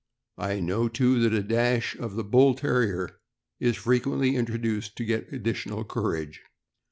I know, too, that a dash of the Bull Terrier is frequently introduced to get additional courage.